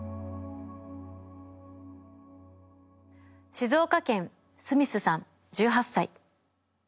静岡県すみすさん１８歳。